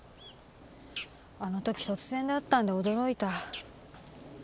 あの時突然だったんで驚いた。